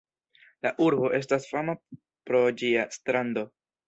La urbo estas fama pro ĝia strando.